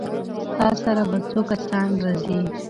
ستا سره به څو کسان راځي؟